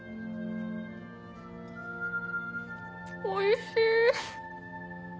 おいしい！